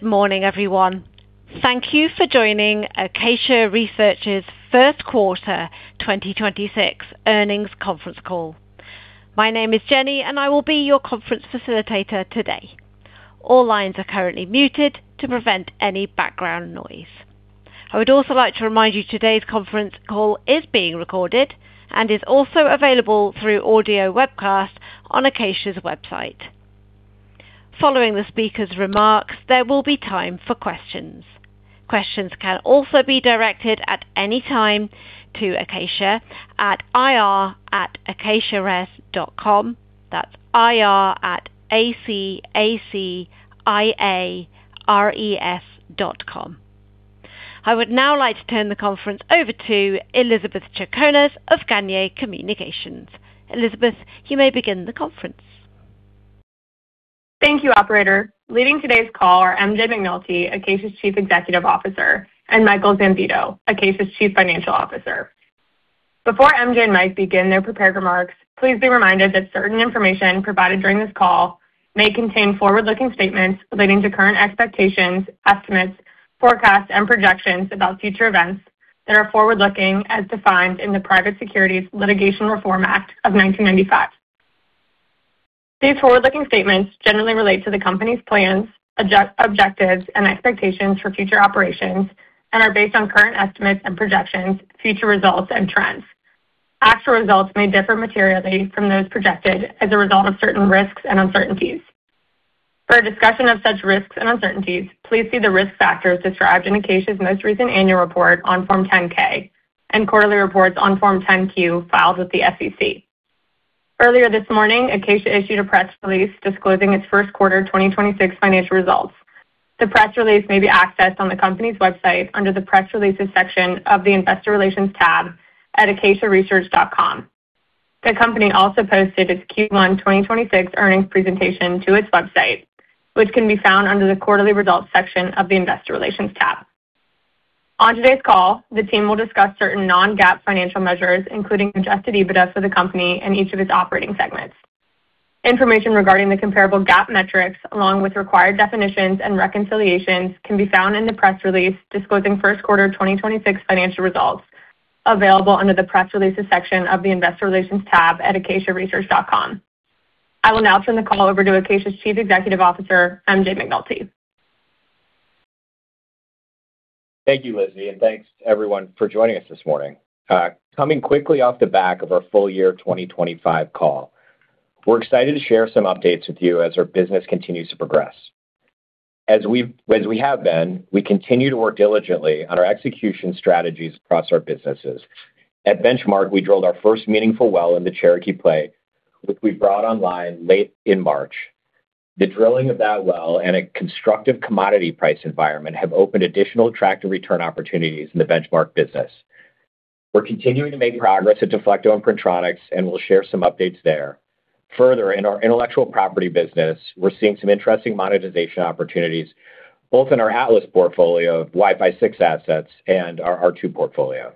Good morning, everyone. Thank you for joining Acacia Research's first quarter 2026 earnings conference call. My name is Jenny, and I will be your conference facilitator today. All lines are currently muted to prevent any background noise. I would also like to remind you today's conference call is being recorded and is also available through audio webcast on Acacia's website. Following the speaker's remarks, there will be time for questions. Questions can also be directed at any time to Acacia at ir@acaciares.com. That's ir@a-c-a-c-i-a-r-e-s.com. I would now like to turn the conference over to Elizabeth Chaconas of Gagnier Communications. Elizabeth, you may begin the conference. Thank you, operator. Leading today's call are MJ McNulty, Acacia's Chief Executive Officer, and Michael Zambito, Acacia's Chief Financial Officer. Before MJ and Mike begin their prepared remarks, please be reminded that certain information provided during this call may contain forward-looking statements relating to current expectations, estimates, forecasts, and projections about future events that are forward-looking as defined in the Private Securities Litigation Reform Act of 1995. These forward-looking statements generally relate to the company's plans, objectives, and expectations for future operations and are based on current estimates and projections, future results, and trends. Actual results may differ materially from those projected as a result of certain risks and uncertainties. For a discussion of such risks and uncertainties, please see the risk factors described in Acacia's most recent annual report on Form 10-K and quarterly reports on Form 10-Q filed with the SEC. Earlier this morning, Acacia issued a press release disclosing its first quarter 2026 financial results. The press release may be accessed on the company's website under the Press Releases section of the Investor Relations tab at acaciaresearch.com. The company also posted its Q1 2026 earnings presentation to its website, which can be found under the Quarterly Results section of the Investor Relations tab. On today's call, the team will discuss certain non-GAAP financial measures, including adjusted EBITDA for the company and each of its operating segments. Information regarding the comparable GAAP metrics, along with required definitions and reconciliations, can be found in the press release disclosing first quarter 2026 financial results available under the Press Releases section of the Investor Relations tab at acaciaresearch.com. I will now turn the call over to Acacia's Chief Executive Officer, MJ McNulty. Thank you, Lizzie, and thanks to everyone for joining us this morning. Coming quickly off the back of our full year 2025 call, we're excited to share some updates with you as our business continues to progress. As we have been, we continue to work diligently on our execution strategies across our businesses. At Benchmark, we drilled our first meaningful well in the Cherokee play, which we brought online late in March. The drilling of that well and a constructive commodity price environment have opened additional attractive return opportunities in the Benchmark business. We're continuing to make progress at Deflecto and Printronix, and we'll share some updates there. Further, in our intellectual property business, we're seeing some interesting monetization opportunities both in our Atlas portfolio of Wi-Fi 6 assets and our R2 portfolio.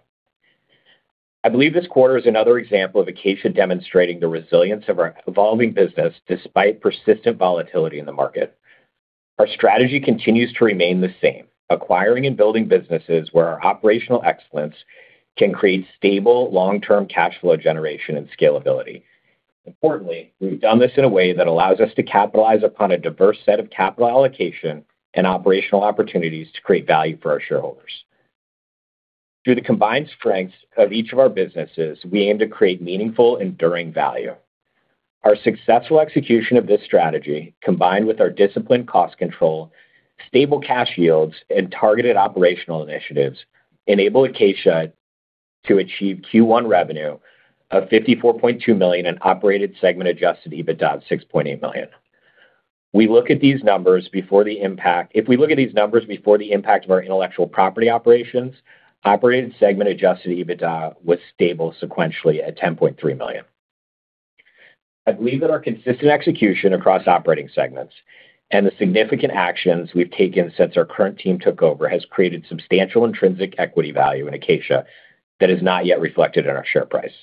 I believe this quarter is another example of Acacia demonstrating the resilience of our evolving business despite persistent volatility in the market. Our strategy continues to remain the same, acquiring and building businesses where our operational excellence can create stable, long-term cash flow generation and scalability. Importantly, we've done this in a way that allows us to capitalize upon a diverse set of capital allocation and operational opportunities to create value for our shareholders. Through the combined strengths of each of our businesses, we aim to create meaningful, enduring value. Our successful execution of this strategy, combined with our disciplined cost control, stable cash yields, and targeted operational initiatives, enable Acacia to achieve Q1 revenue of $54.2 million and operated segment adjusted EBITDA of $6.8 million. If we look at these numbers before the impact of our intellectual property operations, operated segment adjusted EBITDA was stable sequentially at $10.3 million. I believe that our consistent execution across operating segments and the significant actions we've taken since our current team took over has created substantial intrinsic equity value in Acacia that is not yet reflected in our share price.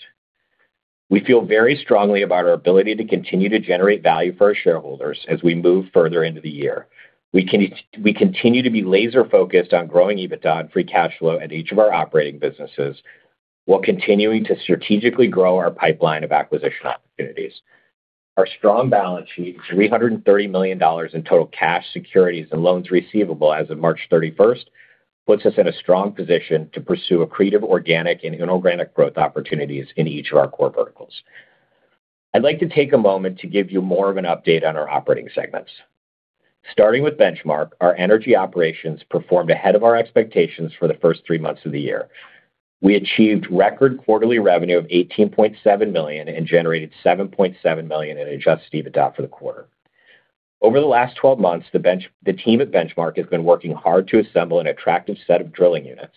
We feel very strongly about our ability to continue to generate value for our shareholders as we move further into the year. We continue to be laser-focused on growing EBITDA and free cash flow at each of our operating businesses while continuing to strategically grow our pipeline of acquisition opportunities. Our strong balance sheet, $330 million in total cash securities and loans receivable as of March 31st, puts us in a strong position to pursue accretive, organic, and inorganic growth opportunities in each of our core verticals. I'd like to take a moment to give you more of an update on our operating segments. Starting with Benchmark, our energy operations performed ahead of our expectations for the first three months of the year. We achieved record quarterly revenue of $18.7 million and generated $7.7 million in adjusted EBITDA for the quarter. Over the last 12 months, the team at Benchmark has been working hard to assemble an attractive set of drilling units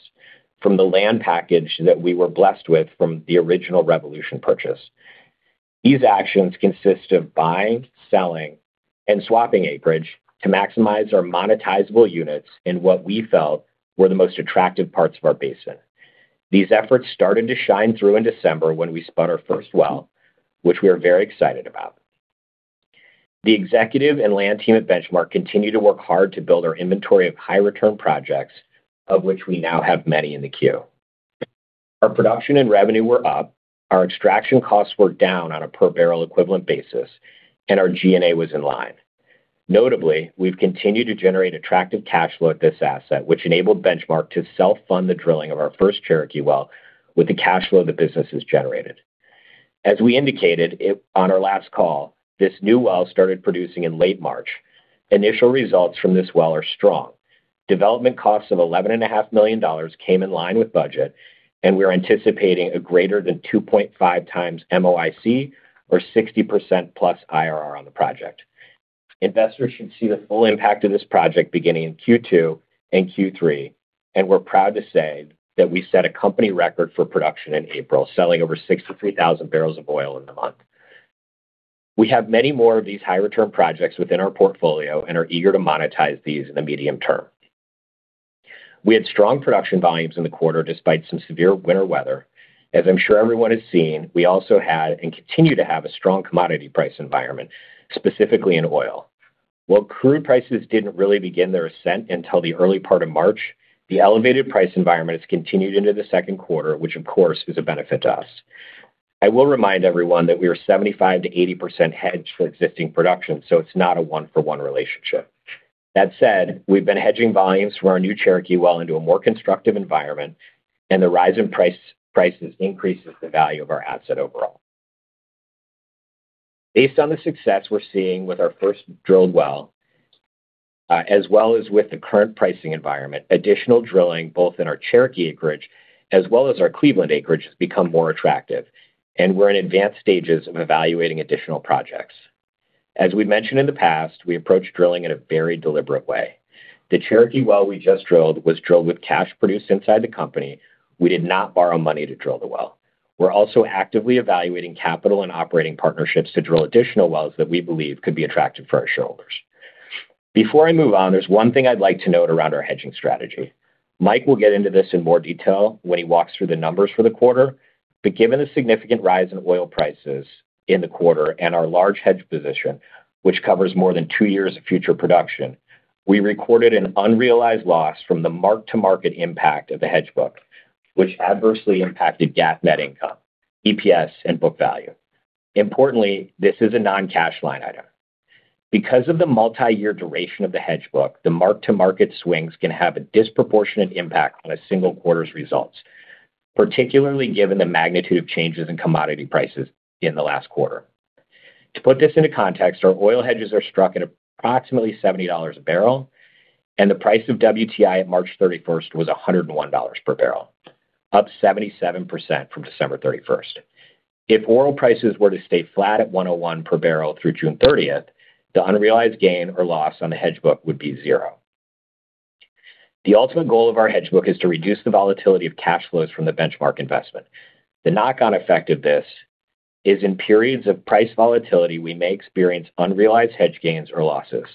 from the land package that we were blessed with from the original Revolution purchase. These actions consist of buying, selling, and swapping acreage to maximize our monetizable units in what we felt were the most attractive parts of our basin. These efforts started to shine through in December when wespud our first well, which we are very excited about. The executive and land team at Benchmark continue to work hard to build our inventory of high return projects, of which we now have many in the queue. Our production and revenue were up, our extraction costs were down on a per barrel equivalent basis, and our G&A was in line. Notably, we've continued to generate attractive cash flow at this asset, which enabled Benchmark to self-fund the drilling of our first Cherokee well with the cash flow the business has generated. As we indicated on our last call, this new well started producing in late March. Initial results from this well are strong. Development costs of $11.5 million came in line with budget. We are anticipating a greater than 2.5x MOIC or 60% plus IRR on the project. Investors should see the full impact of this project beginning in Q2 and Q3. We're proud to say that we set a company record for production in April, selling over 63,000 barrels of oil in the month. We have many more of these high return projects within our portfolio and are eager to monetize these in the medium term. We had strong production volumes in the quarter despite some severe winter weather. As I'm sure everyone has seen, we also had and continue to have a strong commodity price environment, specifically in oil. While crude prices didn't really begin their ascent until the early part of March, the elevated price environment has continued into the second quarter, which of course is a benefit to us. I will remind everyone that we are 75% to 80% hedged for existing production, so it's not a one for one relationship. That said, we've been hedging volumes from our new Cherokee well into a more constructive environment, and the rise in prices increases the value of our asset overall. Based on the success we're seeing with our first drilled well, as well as with the current pricing environment, additional drilling both in our Cherokee acreage as well as our Cleveland acreage has become more attractive, and we're in advanced stages of evaluating additional projects. As we've mentioned in the past, we approach drilling in a very deliberate way. The Cherokee well we just drilled was drilled with cash produced inside the company. We did not borrow money to drill the well. We are also actively evaluating capital and operating partnerships to drill additional wells that we believe could be attractive for our shareholders. Before I move on, there is one thing I would like to note around our hedging strategy. Mike will get into this in more detail when he walks through the numbers for the quarter. Given the significant rise in oil prices in the quarter and our large hedge position, which covers more than two years of future production, we recorded an unrealized loss from the mark-to-market impact of the hedge book, which adversely impacted GAAP net income, EPS, and book value. Importantly, this is a non-cash line item. Because of the multi-year duration of the hedge book, the mark-to-market swings can have a disproportionate impact on a single quarter's results, particularly given the magnitude of changes in commodity prices in the last quarter. To put this into context, our oil hedges are struck at approximately $70 a barrel, and the price of WTI at March 31st was $101 per barrel, up 77% from December 31st. If oil prices were to stay flat at $101 per barrel through June 30th, the unrealized gain or loss on the hedge book would be zero. The ultimate goal of our hedge book is to reduce the volatility of cash flows from the Benchmark investment. The knock-on effect of this is in periods of price volatility, we may experience unrealized hedge gains or losses.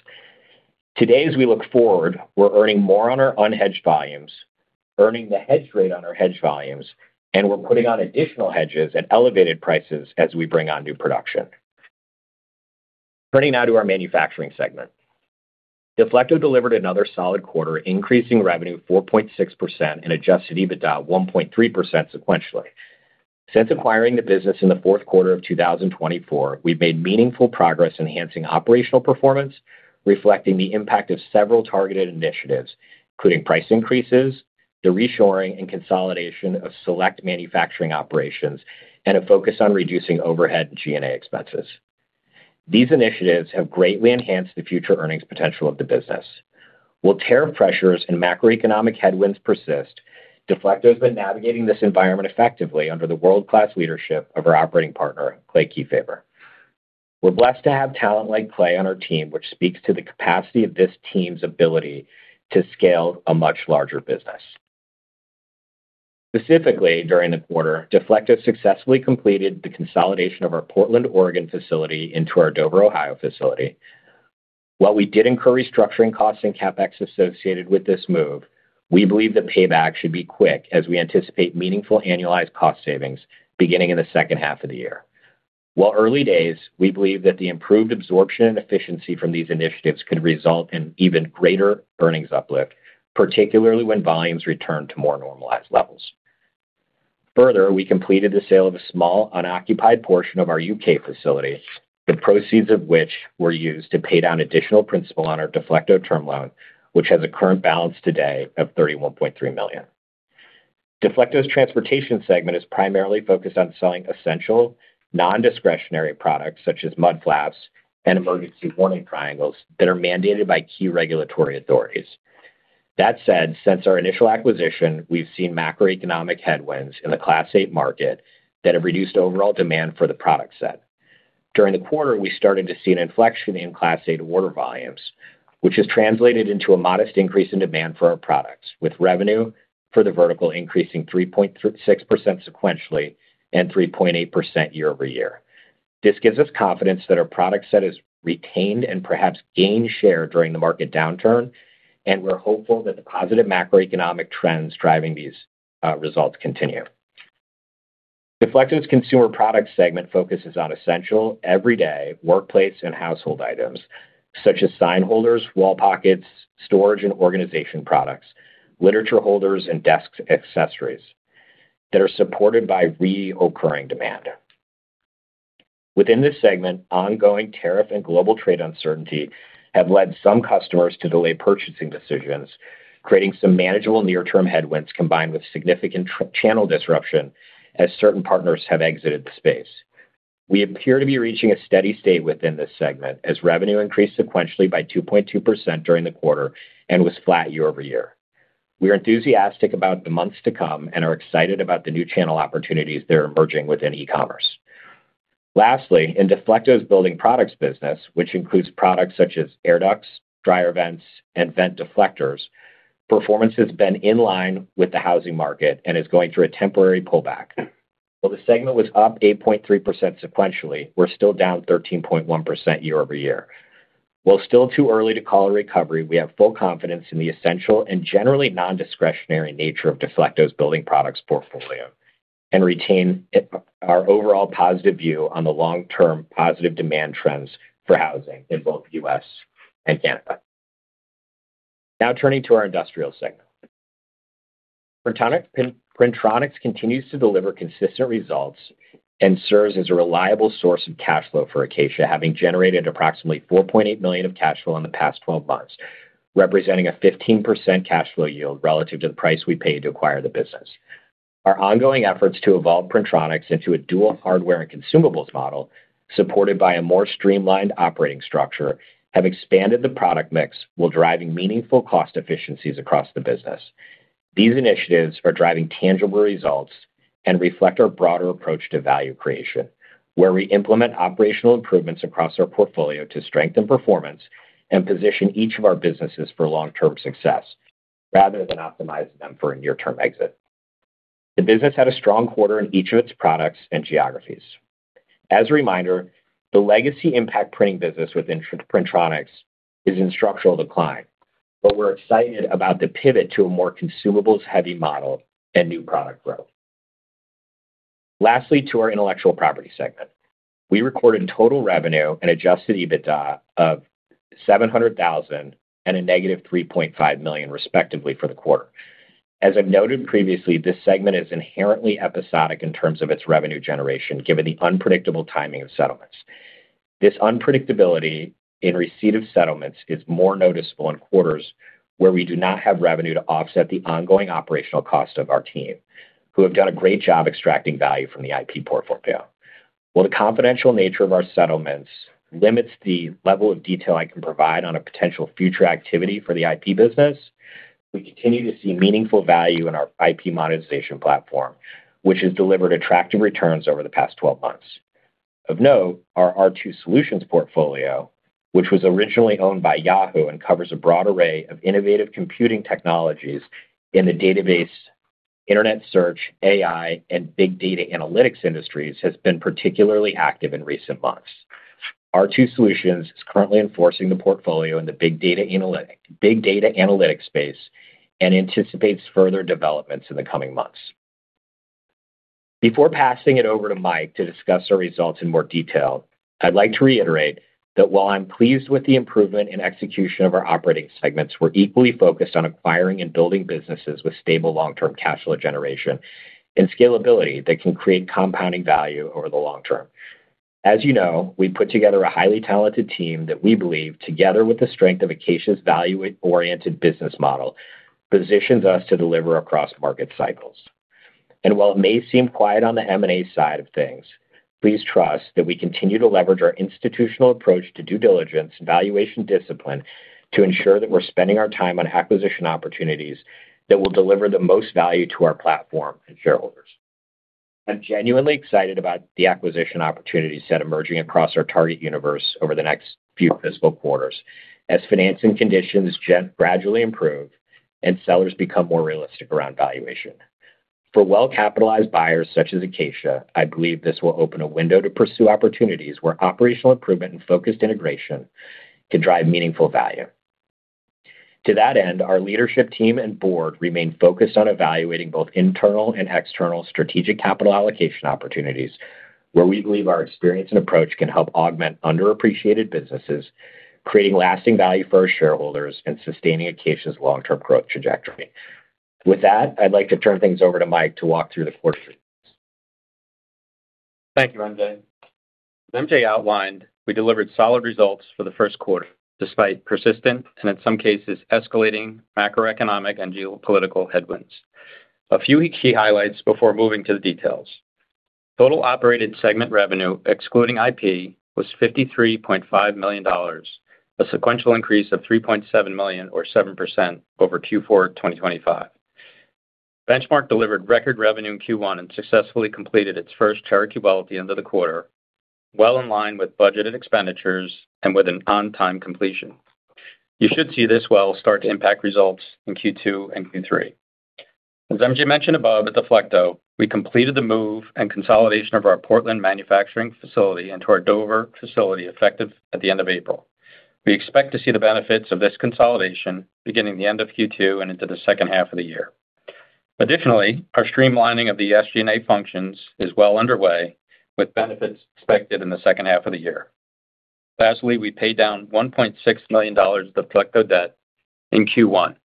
Today, as we look forward, we're earning more on our unhedged volumes, earning the hedge rate on our hedged volumes, and we're putting on additional hedges at elevated prices as we bring on new production. Turning now to our manufacturing segment. Deflecto delivered another solid quarter, increasing revenue 4.6% and adjusted EBITDA 1.3% sequentially. Since acquiring the business in the fourth quarter of 2024, we've made meaningful progress enhancing operational performance, reflecting the impact of several targeted initiatives, including price increases, the reshoring and consolidation of select manufacturing operations, and a focus on reducing overhead and G&A expenses. These initiatives have greatly enhanced the future earnings potential of the business. While tariff pressures and macroeconomic headwinds persist, Deflecto has been navigating this environment effectively under the world-class leadership of our Operating Partner, Clay Kiefaber. We're blessed to have talent like Clay on our team, which speaks to the capacity of this team's ability to scale a much larger business. Specifically, during the quarter, Deflecto successfully completed the consolidation of our Portland, Oregon, facility into our Dover, Ohio, facility. While we did incur restructuring costs and CapEx associated with this move, we believe the payback should be quick as we anticipate meaningful annualized cost savings beginning in the second half of the year. While early days, we believe that the improved absorption and efficiency from these initiatives could result in even greater earnings uplift, particularly when volumes return to more normalized levels. Further, we completed the sale of a small unoccupied portion of our U.K. facility, the proceeds of which were used to pay down additional principal on our Deflecto term loan, which has a current balance today of $31.3 million. Deflecto's transportation segment is primarily focused on selling essential non-discretionary products such as mud flaps and emergency warning triangles that are mandated by key regulatory authorities. That said, since our initial acquisition, we've seen macroeconomic headwinds in the Class 8 market that have reduced overall demand for the product set. During the quarter, we started to see an inflection in Class 8 order volumes, which has translated into a modest increase in demand for our products, with revenue for the vertical increasing 3.6% sequentially and 3.8% year-over-year. This gives us confidence that our product set has retained and perhaps gained share during the market downturn, and we're hopeful that the positive macroeconomic trends driving these results continue. Deflecto's consumer product segment focuses on essential, everyday workplace and household items, such as sign holders, wall pockets, storage and organization products, literature holders and desk accessories that are supported by reoccurring demand. Within this segment, ongoing tariff and global trade uncertainty have led some customers to delay purchasing decisions, creating some manageable near-term headwinds combined with significant channel disruption as certain partners have exited the space. We appear to be reaching a steady state within this segment as revenue increased sequentially by 2.2% during the quarter and was flat year-over-year. We are enthusiastic about the months to come and are excited about the new channel opportunities that are emerging within e-commerce. Lastly, in Deflecto's building products business, which includes products such as air ducts, dryer vents, and vent deflectors, performance has been in line with the housing market and is going through a temporary pullback. While the segment was up 8.3% sequentially, we're still down 13.1% year-over-year. While it's still too early to call a recovery, we have full confidence in the essential and generally non-discretionary nature of Deflecto's building products portfolio and retain our overall positive view on the long-term positive demand trends for housing in both U.S. and Canada. Turning to our industrial segment. Printronix continues to deliver consistent results and serves as a reliable source of cash flow for Acacia, having generated approximately $4.8 million of cash flow in the past 12 months, representing a 15% cash flow yield relative to the price we paid to acquire the business. Our ongoing efforts to evolve Printronix into a dual hardware and consumables model, supported by a more streamlined operating structure, have expanded the product mix while driving meaningful cost efficiencies across the business. These initiatives are driving tangible results and reflect our broader approach to value creation, where we implement operational improvements across our portfolio to strengthen performance and position each of our businesses for long-term success rather than optimize them for a near-term exit. The business had a strong quarter in each of its products and geographies. As a reminder, the legacy impact printing business within Printronix is in structural decline. We're excited about the pivot to a more consumables-heavy model and new product growth. Lastly, to our intellectual property segment. We recorded total revenue and adjusted EBITDA of $700,000 and a negative $3.5 million respectively for the quarter. As I've noted previously, this segment is inherently episodic in terms of its revenue generation, given the unpredictable timing of settlements. This unpredictability in receipt of settlements is more noticeable in quarters where we do not have revenue to offset the ongoing operational cost of our team, who have done a great job extracting value from the IP portfolio. While the confidential nature of our settlements limits the level of detail I can provide on a potential future activity for the IP business, we continue to see meaningful value in our IP monetization platform, which has delivered attractive returns over the past 12 months. Of note, our R2 Solutions portfolio, which was originally owned by Yahoo and covers a broad array of innovative computing technologies in the database, internet search, AI, and big data analytics industries, has been particularly active in recent months. R2 Solutions is currently enforcing the portfolio in the big data analytics space and anticipates further developments in the coming months. Before passing it over to Mike to discuss our results in more detail, I'd like to reiterate that while I'm pleased with the improvement in execution of our operating segments, we're equally focused on acquiring and building businesses with stable long-term cash flow generation and scalability that can create compounding value over the long term. As you know, we've put together a highly talented team that we believe, together with the strength of Acacia's value-oriented business model, positions us to deliver across market cycles. While it may seem quiet on the M&A side of things, please trust that we continue to leverage our institutional approach to due diligence and valuation discipline to ensure that we're spending our time on acquisition opportunities that will deliver the most value to our platform and shareholders. I'm genuinely excited about the acquisition opportunity set emerging across our target universe over the next few fiscal quarters as financing conditions gradually improve and sellers become more realistic around valuation. For well-capitalized buyers such as Acacia, I believe this will open a window to pursue opportunities where operational improvement and focused integration can drive meaningful value. To that end, our leadership team and board remain focused on evaluating both internal and external strategic capital allocation opportunities where we believe our experience and approach can help augment underappreciated businesses, creating lasting value for our shareholders and sustaining Acacia's long-term growth trajectory. With that, I'd like to turn things over to Mike to walk through the quarter's results. Thank you, MJ. As MJ outlined, we delivered solid results for the first quarter, despite persistent and in some cases escalating macroeconomic and geopolitical headwinds. A few key highlights before moving to the details. Total operated segment revenue, excluding IP, was $53.5 million, a sequential increase of $3.7 million or 7% over Q4 2025. Benchmark delivered record revenue in Q1 and successfully completed its first Cherokee well at the end of the quarter, well in line with budgeted expenditures and with an on-time completion. You should see this well start to impact results in Q2 and Q3. As MJ mentioned above, at Deflecto, we completed the move and consolidation of our Portland manufacturing facility into our Dover facility effective at the end of April. We expect to see the benefits of this consolidation beginning the end of Q2 and into the second half of the year. Additionally, our streamlining of the SG&A functions is well underway, with benefits expected in the second half of the year. Lastly, we paid down $1.6 million of Deflecto debt in Q1,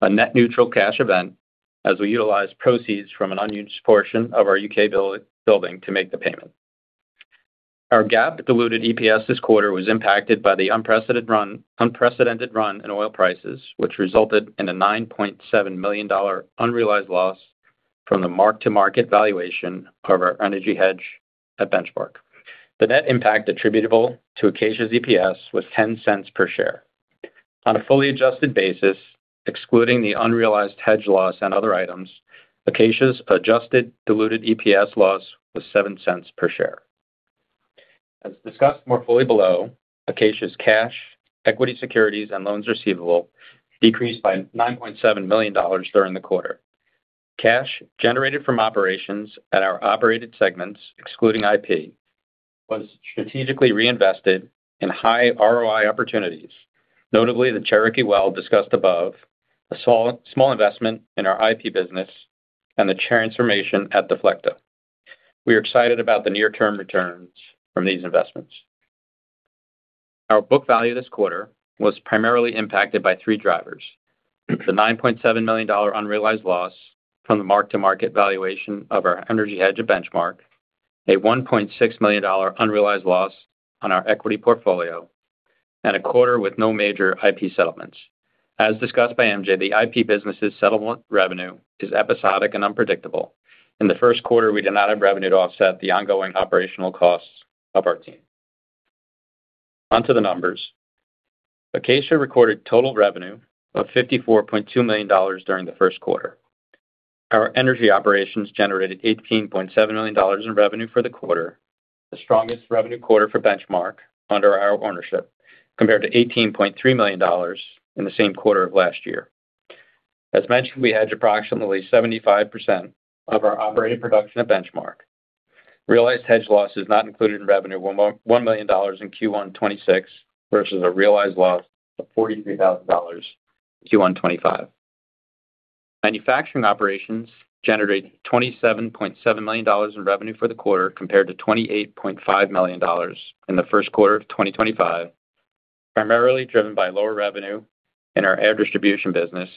a net neutral cash event as we utilized proceeds from an unused portion of our U.K. building to make the payment. Our GAAP diluted EPS this quarter was impacted by the unprecedented run in oil prices, which resulted in a $9.7 million unrealized loss from the mark-to-market valuation of our energy hedge at Benchmark. The net impact attributable to Acacia's EPS was $0.10 per share. On a fully adjusted basis, excluding the unrealized hedge loss and other items, Acacia's adjusted diluted EPS loss was $0.07 per share. As discussed more fully below, Acacia's cash, equity securities, and loans receivable decreased by $9.7 million during the quarter. Cash generated from operations at our operated segments, excluding IP, was strategically reinvested in high ROI opportunities, notably the Cherokee well discussed above, a small investment in our IP business, and the transformation at Deflecto. We are excited about the near-term returns from these investments. Our book value this quarter was primarily impacted by 3 drivers: the $9.7 million unrealized loss from the mark-to-market valuation of our energy hedge at Benchmark, a $1.6 million unrealized loss on our equity portfolio, and a quarter with no major IP settlements. As discussed by MJ, the IP business's settlement revenue is episodic and unpredictable. In the first quarter, we did not have revenue to offset the ongoing operational costs of our team. On to the numbers. Acacia recorded total revenue of $54.2 million during the first quarter. Our energy operations generated $18.7 million in revenue for the quarter, the strongest revenue quarter for Benchmark under our ownership, compared to $18.3 million in the same quarter of last year. As mentioned, we hedge approximately 75% of our operating production at Benchmark. Realized hedge loss is not included in revenue of $1 million in Q1 2026 versus a realized loss of $43,000 in Q1 2025. Manufacturing operations generated $27.7 million in revenue for the quarter, compared to $28.5 million in the first quarter of 2025, primarily driven by lower revenue in our air distribution business,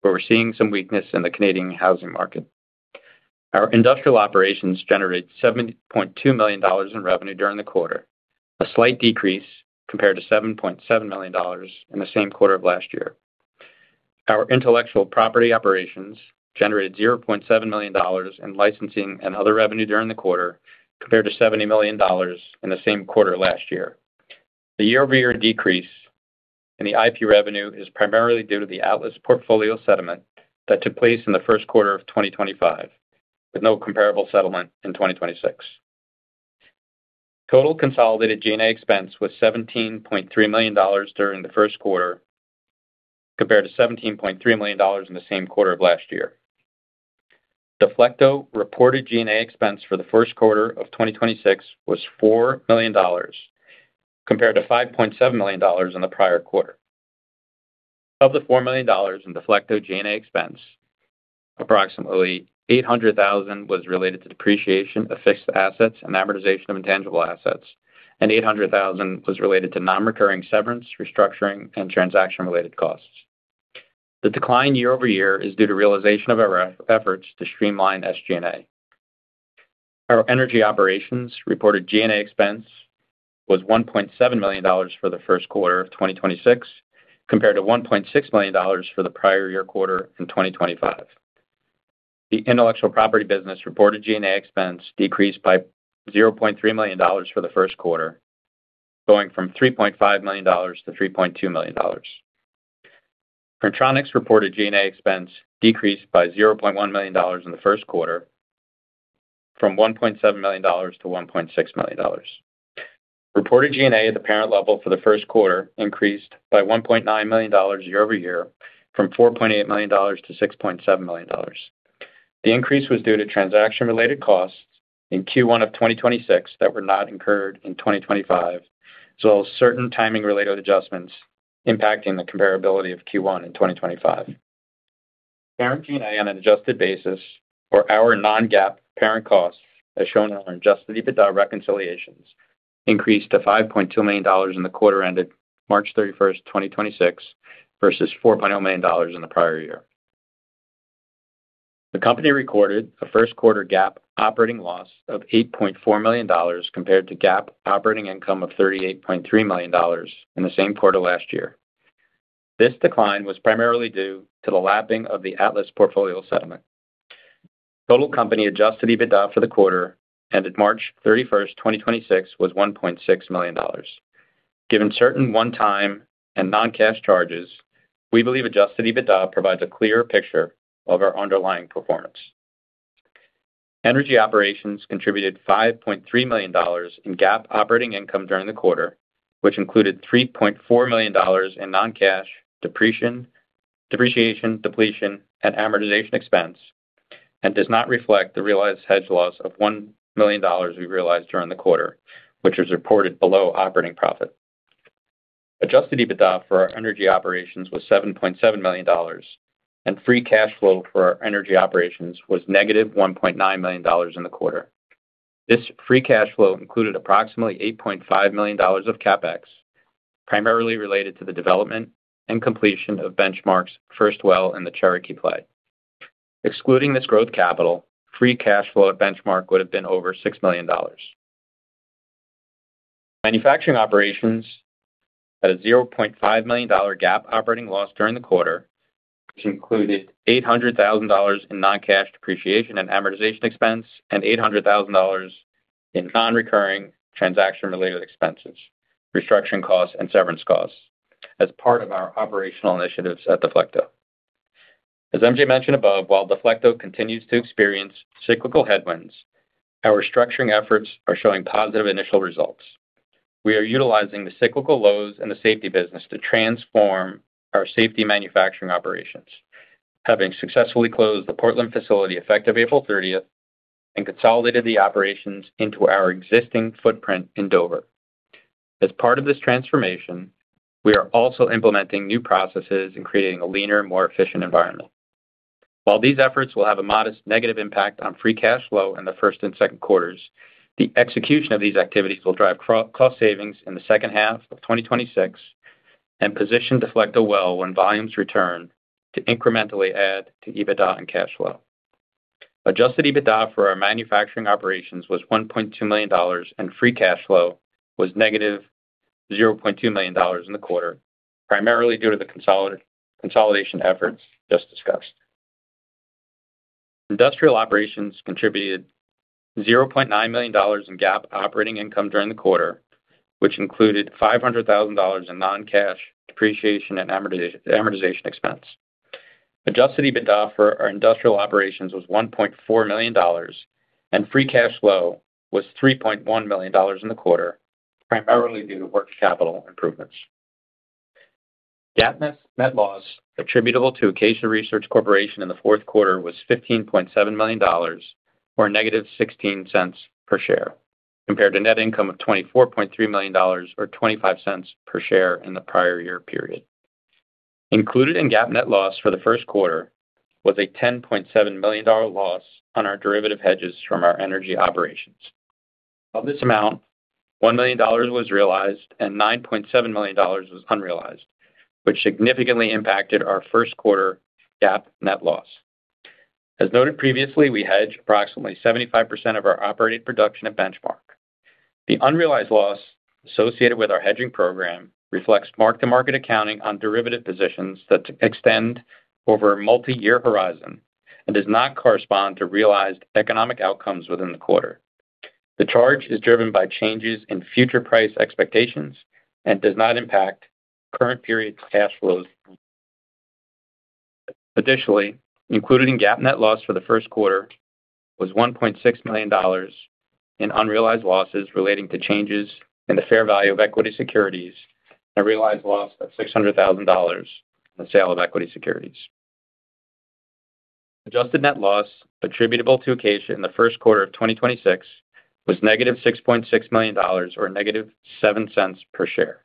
where we're seeing some weakness in the Canadian housing market. Our industrial operations generated $70.2 million in revenue during the quarter, a slight decrease compared to $7.7 million in the same quarter of last year. Our intellectual property operations generated $0.7 million in licensing and other revenue during the quarter, compared to $70 million in the same quarter last year. The year-over-year decrease in the IP revenue is primarily due to the Atlas portfolio settlement that took place in the first quarter of 2025, with no comparable settlement in 2026. Total consolidated G&A expense was $17.3 million during the first quarter, compared to $17.3 million in the same quarter of last year. Deflecto reported G&A expense for the first quarter of 2026 was $4 million, compared to $5.7 million in the prior quarter. Of the $4 million in Deflecto G&A expense, approximately $800,000 was related to depreciation of fixed assets and amortization of intangible assets, and $800,000 was related to non-recurring severance, restructuring, and transaction-related costs. The decline year-over-year is due to realization of our efforts to streamline SG&A. Our energy operations reported G&A expense was $1.7 million for the first quarter of 2026, compared to $1.6 million for the prior year quarter in 2025. The intellectual property business reported G&A expense decreased by $0.3 million for the first quarter, going from $3.5 million to $3.2 million. Printronix reported G&A expense decreased by $0.1 million in the first quarter from $1.7 million to $1.6 million. Reported G&A at the parent level for the first quarter increased by $1.9 million year over year from $4.8 million to $6.7 million. The increase was due to transaction-related costs in Q1 of 2026 that were not incurred in 2025, as well as certain timing-related adjustments impacting the comparability of Q1 in 2025. Parent G&A on an adjusted basis for our non-GAAP parent costs, as shown in our adjusted EBITDA reconciliations, increased to $5.2 million in the quarter ended March 31st, 2026 versus $4.0 million in the prior year. The company recorded a first quarter GAAP operating loss of $8.4 million compared to GAAP operating income of $38.3 million in the same quarter last year. This decline was primarily due to the lapping of the Atlas portfolio settlement. Total company adjusted EBITDA for the quarter ended March 31st, 2026 was $1.6 million. Given certain one-time and non-cash charges, we believe adjusted EBITDA provides a clearer picture of our underlying performance. Energy operations contributed $5.3 million in GAAP operating income during the quarter, which included $3.4 million in non-cash depreciation, depletion, and amortization expense, and does not reflect the realized hedge loss of $1 million we realized during the quarter, which is reported below operating profit. Adjusted EBITDA for our energy operations was $7.7 million, and free cash flow for our energy operations was negative $1.9 million in the quarter. This free cash flow included approximately $8.5 million of CapEx, primarily related to the development and completion of Benchmark's first well in the Cherokee play. Excluding this growth capital, free cash flow at Benchmark would have been over $6 million. Manufacturing operations at a $0.5 million GAAP operating loss during the quarter, which included $800,000 in non-cash depreciation and amortization expense and $800,000 in non-recurring transaction-related expenses, restructuring costs, and severance costs as part of our operational initiatives at Deflecto. As MJ mentioned above, while Deflecto continues to experience cyclical headwinds, our restructuring efforts are showing positive initial results. We are utilizing the cyclical lows in the safety business to transform our safety manufacturing operations, having successfully closed the Portland facility effective April 30th and consolidated the operations into our existing footprint in Dover. As part of this transformation, we are also implementing new processes and creating a leaner, more efficient environment. While these efforts will have a modest negative impact on free cash flow in the first and second quarters, the execution of these activities will drive cost savings in the second half of 2026 and position Deflecto well when volumes return to incrementally add to EBITDA and cash flow. Adjusted EBITDA for our manufacturing operations was $1.2 million, and free cash flow was negative $0.2 million in the quarter, primarily due to the consolidation efforts just discussed. Industrial operations contributed $0.9 million in GAAP operating income during the quarter, which included $500,000 in non-cash depreciation and amortization expense. Adjusted EBITDA for our industrial operations was $1.4 million, and free cash flow was $3.1 million in the quarter, primarily due to working capital improvements. GAAP net loss attributable to Acacia Research Corporation in the fourth quarter was $15.7 million or -$0.16 per share compared to net income of $24.3 million or $0.25 per share in the prior year period. Included in GAAP net loss for the first quarter was a $10.7 million loss on our derivative hedges from our energy operations. Of this amount, $1 million was realized and $9.7 million was unrealized, which significantly impacted our first quarter GAAP net loss. As noted previously, we hedge approximately 75% of our operated production at Benchmark. The unrealized loss associated with our hedging program reflects mark-to-market accounting on derivative positions that extend over a multi-year horizon and does not correspond to realized economic outcomes within the quarter. The charge is driven by changes in future price expectations and does not impact current period's cash flows. Additionally, included in GAAP net loss for the first quarter was $1.6 million in unrealized losses relating to changes in the fair value of equity securities and a realized loss of $600,000 on the sale of equity securities. Adjusted net loss attributable to Acacia in the first quarter of 2026 was negative $6.6 million or negative $0.07 per share.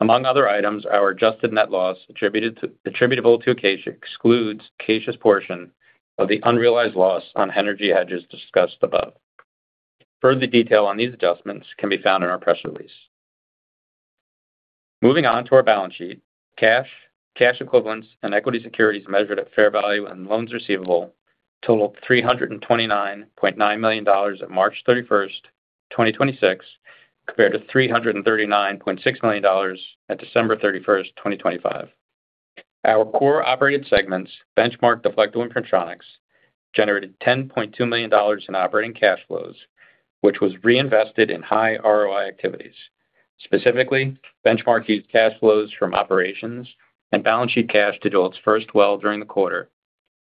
Among other items, our adjusted net loss attributable to Acacia excludes Acacia's portion of the unrealized loss on energy hedges discussed above. Further detail on these adjustments can be found in our press release. Moving on to our balance sheet. Cash, cash equivalents, and equity securities measured at fair value and loans receivable totaled $329.9 million at March 31st, 2026, compared to $339.6 million at December 31st, 2025. Our core operated segments, Benchmark, Deflecto, and Printronix, generated $10.2 million in operating cash flows, which was reinvested in high ROI activities. Specifically, Benchmark used cash flows from operations and balance sheet cash to drill its first well during the quarter,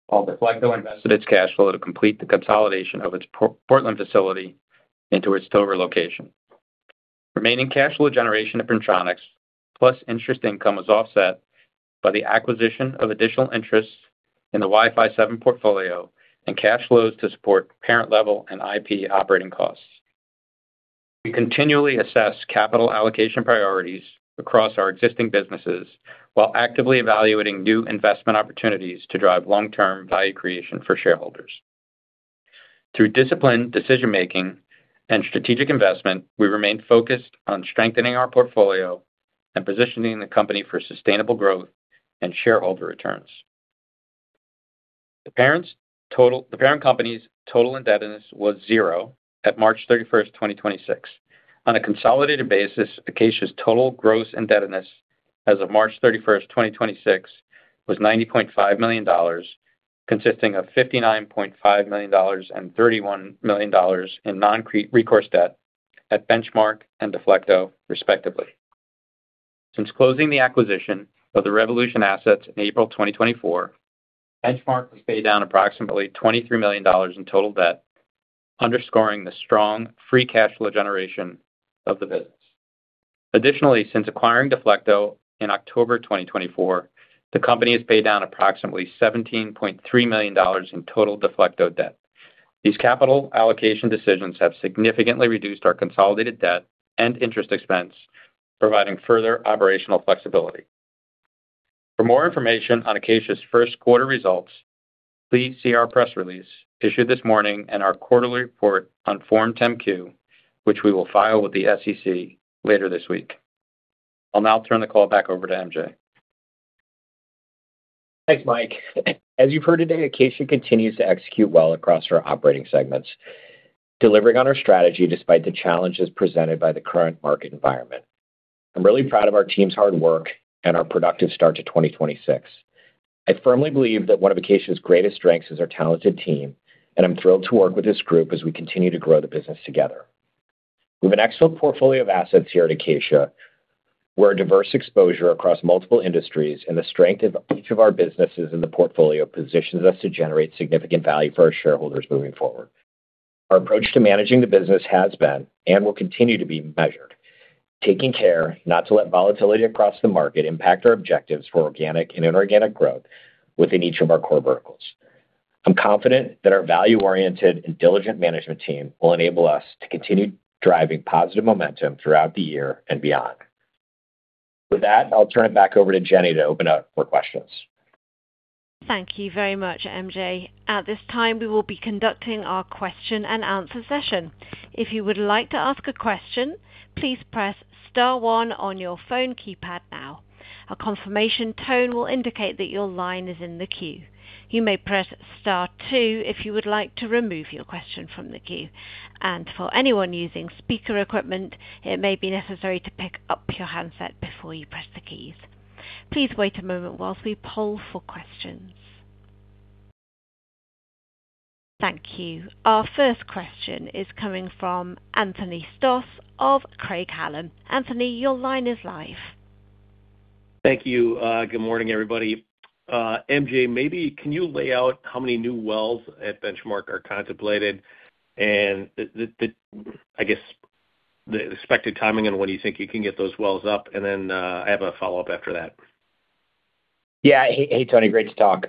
while Deflecto invested its cash flow to complete the consolidation of its Portland facility into its Dover location. Remaining cash flow generation at Printronix plus interest income was offset by the acquisition of additional interests in the Wi-Fi 7 portfolio and cash flows to support parent-level and IP operating costs. We continually assess capital allocation priorities across our existing businesses while actively evaluating new investment opportunities to drive long-term value creation for shareholders. Through disciplined decision-making and strategic investment, we remain focused on strengthening our portfolio and positioning the company for sustainable growth and shareholder returns. The parent company's total indebtedness was zero at March 31, 2026. On a consolidated basis, Acacia's total gross indebtedness as of March 31, 2026, was $90.5 million, consisting of $59.5 million and $31 million in non-recourse debt at Benchmark and Deflecto, respectively. Since closing the acquisition of the Revolution assets in April 2024, Benchmark has paid down approximately $23 million in total debt, underscoring the strong free cash flow generation of the business. Additionally, since acquiring Deflecto in October 2024, the company has paid down approximately $17.3 million in total Deflecto debt. These capital allocation decisions have significantly reduced our consolidated debt and interest expense, providing further operational flexibility. For more information on Acacia's first quarter results, please see our press release issued this morning and our quarterly report on Form 10-Q, which we will file with the SEC later this week. I'll now turn the call back over to MJ. Thanks, Mike. As you've heard today, Acacia continues to execute well across our operating segments, delivering on our strategy despite the challenges presented by the current market environment. I'm really proud of our team's hard work and our productive start to 2026. I firmly believe that one of Acacia's greatest strengths is our talented team, and I'm thrilled to work with this group as we continue to grow the business together. We have an excellent portfolio of assets here at Acacia, where diverse exposure across multiple industries and the strength of each of our businesses in the portfolio positions us to generate significant value for our shareholders moving forward. Our approach to managing the business has been and will continue to be measured, taking care not to let volatility across the market impact our objectives for organic and inorganic growth within each of our core verticals. I'm confident that our value-oriented and diligent management team will enable us to continue driving positive momentum throughout the year and beyond. With that, I'll turn it back over to Jenny to open up for questions. Thank you very much, MJ. At this time, we will be conducting our question and answer session. If you would like to ask a question, please press star one on your phone keypad now. A confirmation tone will indicate that your line is in the queue. You may press star two if you would like to remove your question from the queue. For anyone using speaker equipment, it may be necessary to pick up your handset before you press the keys. Please wait a moment while we poll for questions. Thank you. Our first question is coming from Anthony Stoss of Craig-Hallum. Anthony, your line is live. Thank you. Good morning, everybody. MJ, maybe can you lay out how many new wells at Benchmark are contemplated and the, I guess, the expected timing on when you think you can get those wells up? I have a follow-up after that. Yeah. Hey, Tony. Great to talk.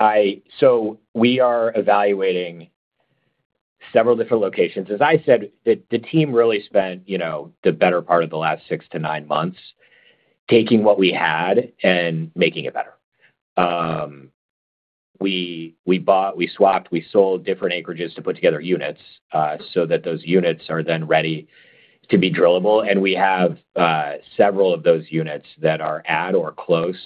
We are evaluating several different locations. As I said, the team really spent, you know, the better part of the last six to nine months taking what we had and making it better. We bought, we swapped, we sold different acreages to put together units, so that those units are then ready to be drillable. We have several of those units that are at or close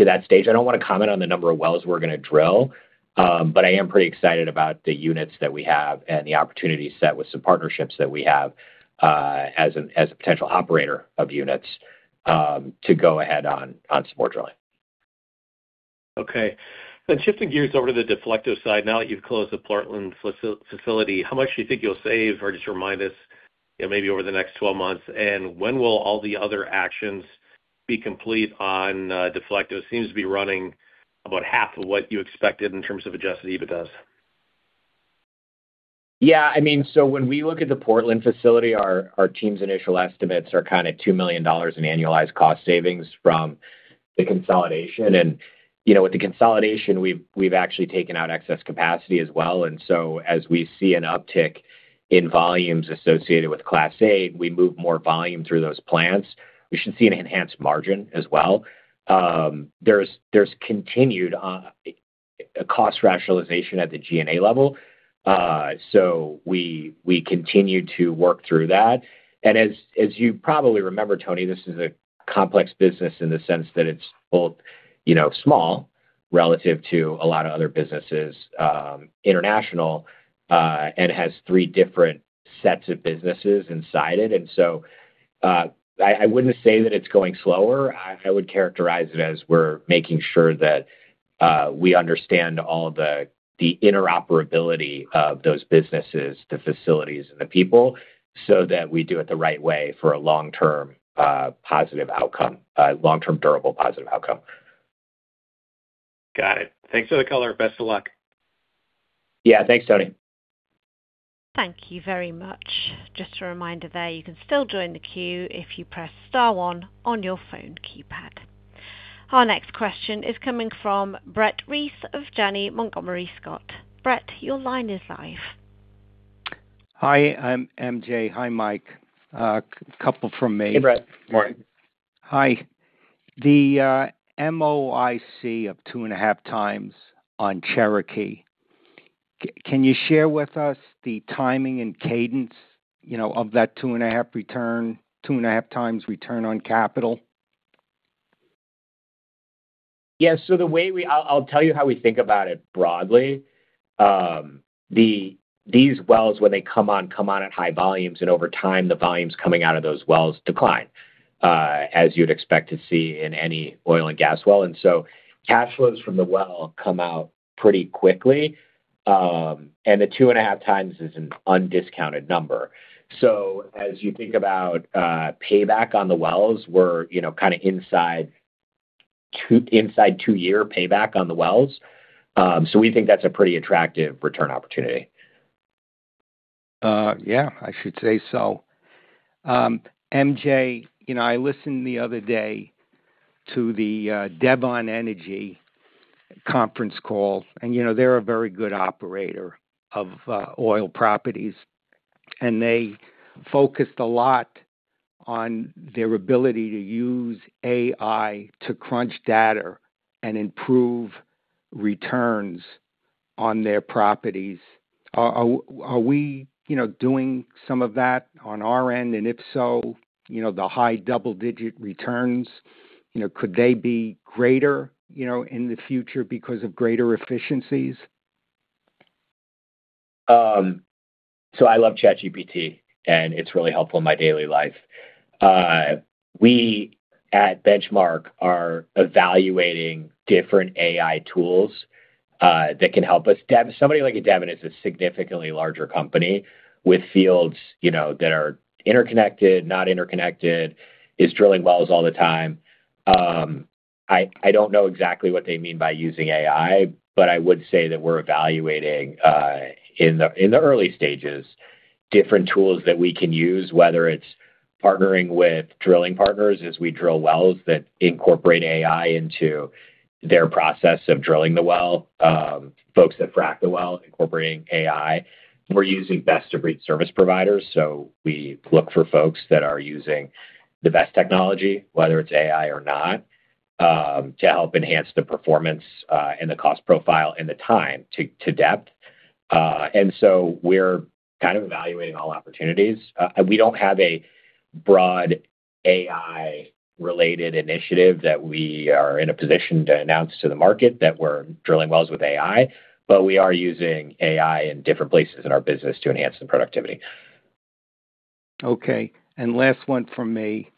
to that stage. I don't wanna comment on the number of wells we're gonna drill, but I am pretty excited about the units that we have and the opportunity set with some partnerships that we have as a potential operator of units to go ahead on some more drilling. Okay. Shifting gears over to the Deflecto side. Now that you've closed the Portland facility, how much do you think you'll save, or just remind us, you know, maybe over the next 12 months, and when will all the other actions be complete on Deflecto? Seems to be running about half of what you expected in terms of adjusted EBITDA. I mean, when we look at the Portland facility, our team's initial estimates are kinda $2 million in annualized cost savings from the consolidation. You know, with the consolidation, we've actually taken out excess capacity as well. As we see an uptick in volumes associated with Class 8, we move more volume through those plants. We should see an enhanced margin as well. There's continued cost rationalization at the G&A level. We continue to work through that. As you probably remember, Tony, this is a complex business in the sense that it's both, you know, small relative to a lot of other businesses, international, and has 3 different sets of businesses inside it. I wouldn't say that it's going slower. I would characterize it as we're making sure that we understand all the interoperability of those businesses, the facilities and the people, so that we do it the right way for a long-term positive outcome, long-term durable positive outcome. Got it. Thanks for the color. Best of luck. Yeah. Thanks, Tony. Thank you very much. Just a reminder there, you can still join the queue if you press star one on your phone keypad. Our next question is coming from Brett Reiss of Janney Montgomery Scott. Brett, your line is live. Hi, MJ. Hi, Mike. A couple from me. Hey, Brett. Morning. Hi. The MOIC of 2.5x on Cherokee, can you share with us the timing and cadence, you know, of that 2.5x return on capital? Yeah. I'll tell you how we think about it broadly. These wells when they come on, come on at high volumes, and over time, the volumes coming out of those wells decline, as you'd expect to see in any oil and gas well. Cash flows from the well come out pretty quickly. The 2.5x is an undiscounted number. As you think about payback on the wells, we're, you know, kind of inside two-year payback on the wells. We think that's a pretty attractive return opportunity. Yeah, I should say so. MJ, you know, I listened the other day to the Devon Energy conference call, and you know, they're a very good operator of oil properties. They focused a lot on their ability to use AI to crunch data and improve returns on their properties. Are we, you know, doing some of that on our end? If so, you know, the high double-digit returns, you know, could they be greater, you know, in the future because of greater efficiencies? I love ChatGPT. It's really helpful in my daily life. We at Benchmark are evaluating different AI tools that can help us. Somebody like a Devon is a significantly larger company with fields, you know, that are interconnected, not interconnected, is drilling wells all the time. I don't know exactly what they mean by using AI. I would say that we're evaluating in the early stages different tools that we can use, whether it's partnering with drilling partners as we drill wells that incorporate AI into their process of drilling the well, folks that frack the well, incorporating AI. We're using best-of-breed service providers. We look for folks that are using the best technology, whether it's AI or not, to help enhance the performance and the cost profile and the time to depth. We're kind of evaluating all opportunities. We don't have a broad AI-related initiative that we are in a position to announce to the market that we're drilling wells with AI, but we are using AI in different places in our business to enhance the productivity. Okay. Last one from me.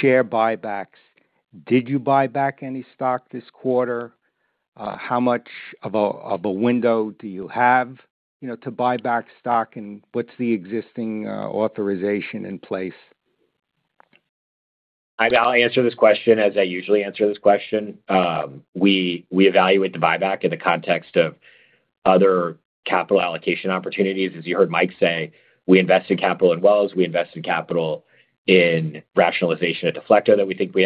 Share buybacks. Did you buy back any stock this quarter? How much of a window do you have, you know, to buy back stock? What's the existing authorization in place? I'll answer this question as I usually answer this question. We evaluate the buyback in the context of other capital allocation opportunities. As you heard Mike say, we invest in capital and wells. We invest in capital in rationalization at Deflecto that we think we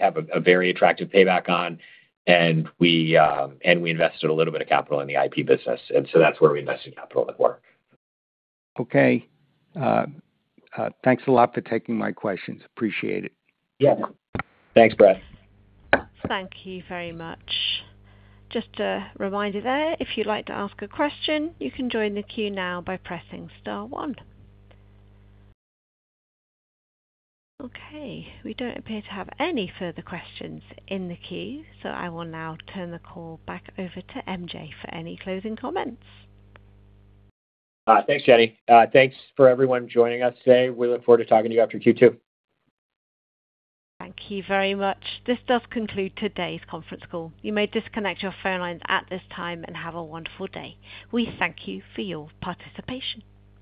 have a very attractive payback on, and we invested a little bit of capital in the IP business. That's where we invested capital in the quarter. Okay. Thanks a lot for taking my questions. Appreciate it. Yeah. Thanks, Brett. Thank you very much. Just a reminder there, if you'd like to ask a question, you can join the queue now by pressing star one. Okay. We don't appear to have any further questions in the queue, so I will now turn the call back over to MJ for any closing comments. Thanks, Jenny. Thanks for everyone joining us today. We look forward to talking to you after Q2. Thank you very much. This does conclude today's conference call. You may disconnect your phone lines at this time and have a wonderful day. We thank you for your participation.